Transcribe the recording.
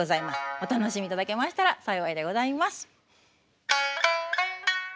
お楽しみいただけましたら幸いでございます。